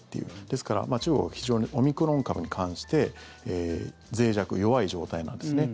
ですから、中国は非常にオミクロン株に関してぜい弱、弱い状態なんですね。